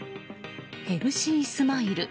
ヘルシー・スマイル。